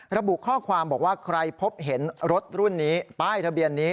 ระบุข้อความบอกว่าใครพบเห็นรถรุ่นนี้ป้ายทะเบียนนี้